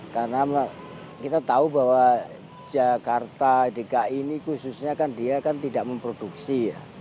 karena kita tahu bahwa jakarta dki ini khususnya kan dia kan tidak memproduksi